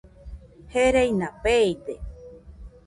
Gereina feide